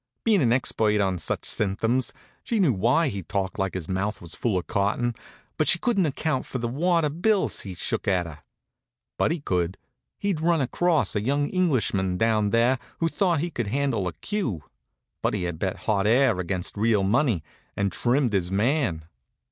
Bein' an expert on such symptoms, she knew why he talked like his mouth was full of cotton, but she couldn't account for the wad of bills he shook at her. Buddy could. He'd run across a young Englishman down there who thought he could handle a cue. Buddy had bet hot air against real money, and trimmed his man.